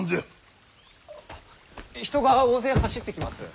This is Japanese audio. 人が大勢走ってきます。